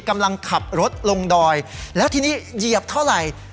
กำลังขับรถลงดอยแล้วทีนี้เหยียบเท่าไหร่